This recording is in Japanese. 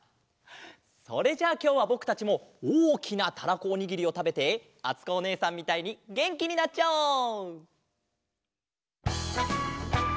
それじゃあきょうはぼくたちもおおきなたらこおにぎりをたべてあつこおねえさんみたいにげんきになっちゃおう！